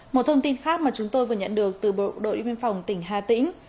một thông tin khác mà chúng tôi vừa nhận được từ bộ đội biên phòng tỉnh hà tĩnh